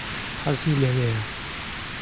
حەزی لەوەیە.